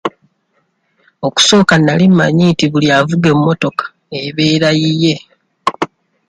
Okusooka nali mmanyi nti buli avuga emmotoka ebeera yiye.